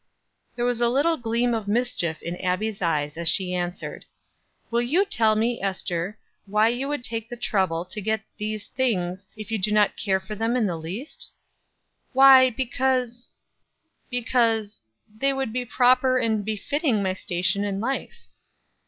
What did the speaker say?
There was a little gleam of mischief in Abbie's eyes as she answered: "Will you tell me, Ester, why you would take the trouble to get 'these things' if you do not care for them in the least?" "Why because because they would be proper and befitting my station in life."